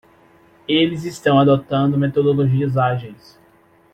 Eles estão adotando metodologias ágeis.